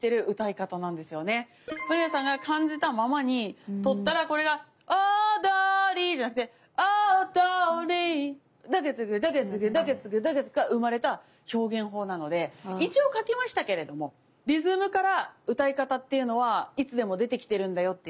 まりやさんが感じたままにとったらこれがおどりじゃなくておぉどぉりぃダガツクダガツクダガツクダガツクから生まれた表現法なので一応書きましたけれどもリズムから歌い方っていうのはいつでも出てきてるんだよっていうのを。